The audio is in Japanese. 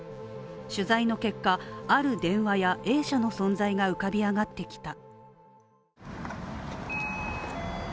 取材の結果、ある電話屋Ａ社の存在が浮かび上がってきた。